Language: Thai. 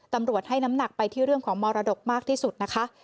ตำรวจให้น้ำหนักไปที่เรื่องของมรดกมากที่สุดนะคะ